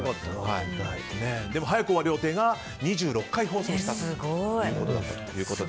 でも早く終わる予定が２６回放送したと。